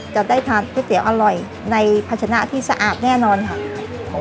จะได้ทานก๋วยเตี๋ยวอร่อยในพัชนะที่สะอาดแน่นอนค่ะ